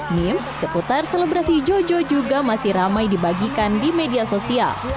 meme seputar selebrasi jojo juga masih ramai dibagikan di media sosial